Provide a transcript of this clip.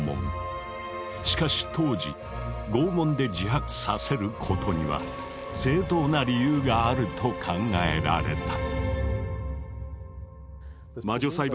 しかし当時拷問で自白させることには正当な理由があると考えられた。